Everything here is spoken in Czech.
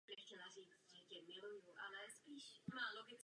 Měl dalších pět sourozenců.